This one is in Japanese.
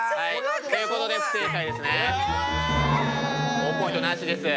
ほぉポイントなしです。